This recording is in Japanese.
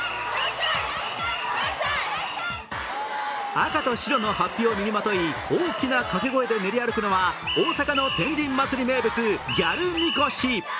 赤と白のはっぴを身にまとい、大きな掛け声で練り歩くのは、大阪の天神祭名物ギャルみこし。